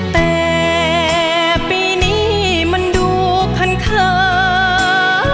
แต่ปีนี้มันดูคันขา